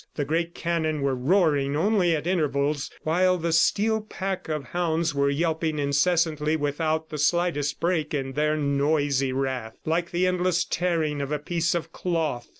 The great cannon were roaring only at intervals, while the steel pack of hounds were yelping incessantly without the slightest break in their noisy wrath like the endless tearing of a piece of cloth.